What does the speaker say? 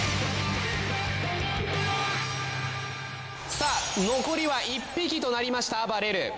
さあ残りは１匹となりました阿波蓮瑠。